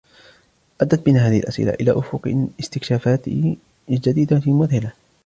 أدت بنا هذه الأسئلة إلى أفق استكشاف جديدة مذهلة